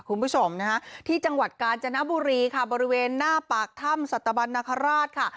คุณผู้ชมที่จังหวัดกาญจนบุรีบริเวณหน้าปากถ้ำศตบันนคราช